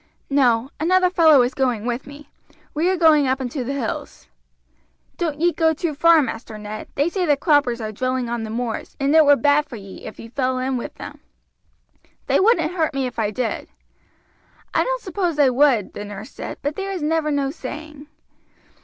"No; another fellow is going with me. We are going up into the hills." "Don't ye go too far, Master Ned. They say the croppers are drilling on the moors, and it were bad for ye if you fell in with them." "They wouldn't hurt me if I did." "I don't suppose they would," the nurse said, "but there is never no saying.